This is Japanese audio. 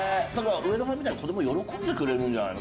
上田さんちみたいに子ども喜んでくれるんじゃないの？